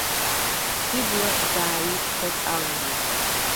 Хьыбла дааидҳәаҵаланы.